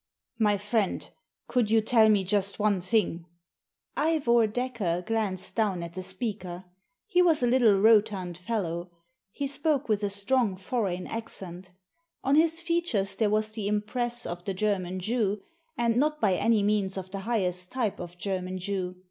My friend, could you tell me just one thing ?" Ivor Dacre glanced down at the speaker. He was a little rotund fellow. He spoke with a strong foreign accent On his features there was the impress of the German Jew, and not by any means of the highest type of German Jew.